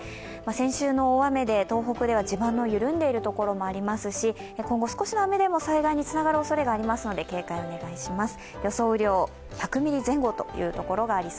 先週の大雨で東北では地盤の緩んでいる所もありますし今後、少しの雨でも災害につながるおそれがありますので警戒が必要です。